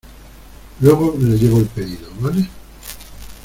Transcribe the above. luego le llevo el pedido, ¿ vale?